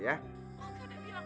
olga udah bilang